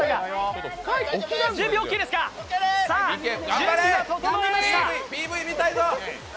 準備が整いました。